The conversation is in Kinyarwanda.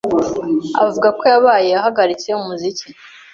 avuga ko yabaye ahagaritse umuziki.